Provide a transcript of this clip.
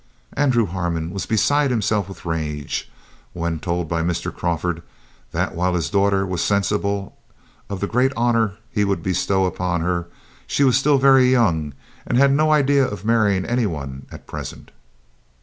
Andrew Harmon was beside himself with rage when told by Mr. Crawford that, while his daughter was sensible of the great honor he would bestow upon her, she was still very young, and had no idea of marrying any one at present.